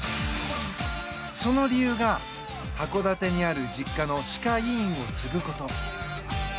その理由が函館にある実家の歯科医院を継ぐこと。